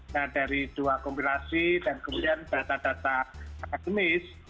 nah dari dua kompilasi dan kemudian data data akademis